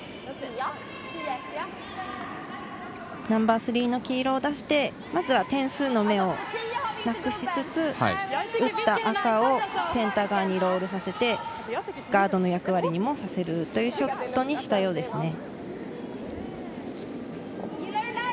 ナンバースリーの黄色を出して、点数の目をなくしつつ、打った赤をセンター側にロールさせてガードの役割にさせるというショットにしたようです。